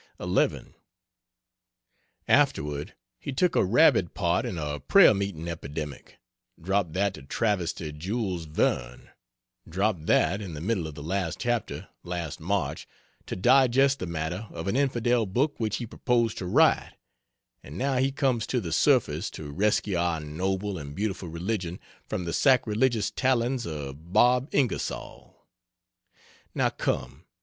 11. Afterward he took a rabid part in a prayer meeting epidemic; dropped that to travesty Jules Verne; dropped that, in the middle of the last chapter, last March, to digest the matter of an infidel book which he proposed to write; and now he comes to the surface to rescue our "noble and beautiful religion" from the sacrilegious talons of Bob Ingersoll. Now come!